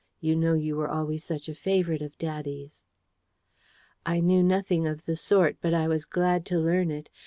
You know you were always such a favourite of daddy's." I knew nothing of the sort; but I was glad to learn it.